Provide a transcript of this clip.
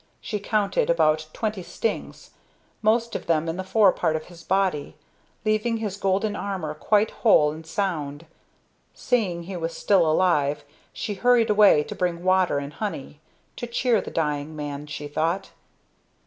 She counted about twenty stings, most of them in the fore part of his body, leaving his golden armor quite whole and sound. Seeing he was still alive, she hurried away to bring water and honey to cheer the dying man, she thought.